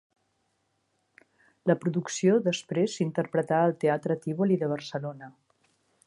La producció després s'interpretà al teatre Tívoli de Barcelona.